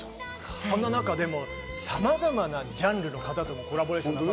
そんな中でもさまざまなジャンルの方とコラボレーション。